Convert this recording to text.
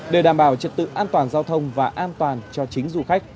để đảm bảo trật tự an toàn giao thông và an toàn cho chính du khách